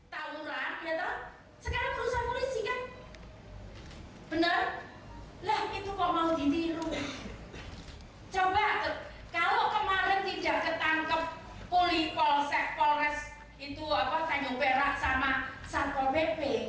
sama satpol pp sama limas terus kalian sampai ditahan di mana